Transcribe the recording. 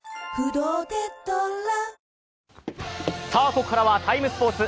ここからは「ＴＩＭＥ，スポーツ」